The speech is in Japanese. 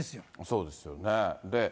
そうですよね。